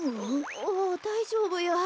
おおだいじょうぶや。